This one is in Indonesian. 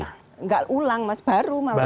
tidak ulang mas baru malah